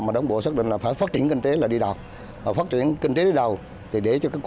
mà đồng bộ xác định là phải phát triển kinh tế là đi đọc